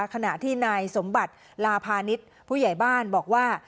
ขณะที่นายสมบัติลาพาณิชย์ผู้ใหญ่บ้านบอกว่า